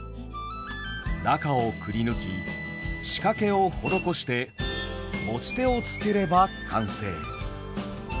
中をくりぬき仕掛けを施して持ち手をつければ完成。